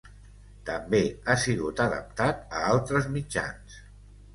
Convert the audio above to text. També ha sigut adaptat a altres mitjans.